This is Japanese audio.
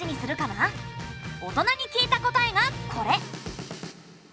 大人に聞いた答えがこれ。